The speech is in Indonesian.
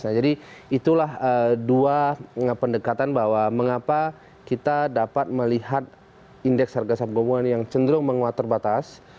nah jadi itulah dua pendekatan bahwa mengapa kita dapat melihat indeks harga saham gabungan yang cenderung menguat terbatas